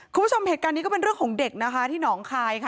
คุณผู้ชมเหตุการณ์นี้ก็เป็นเรื่องของเด็กนะคะที่หนองคายค่ะ